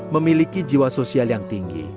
memiliki jiwa sosial yang tinggi